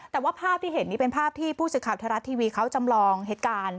แต่ว่าภาพที่เห็นนี้เป็นภาพที่ผู้สื่อข่าวไทยรัฐทีวีเขาจำลองเหตุการณ์